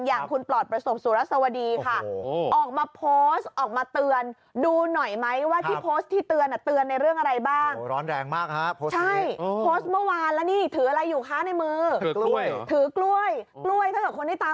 อย่างคุณปตรประสบศูนย์สวดศวรรษสวดีค่ะ